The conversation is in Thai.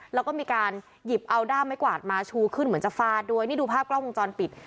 แล้วก็มีการหยิบเอาด้ามไม้กวาดมาชูขึ้นเหมือนจะฟาดด้วยนี่ดูภาพกล้องวงจรปิด